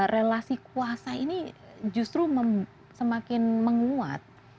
relasi kuasa ini justru semakin menguat